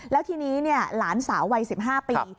แล้วทีนี้หลานสาววัย๑๕ปี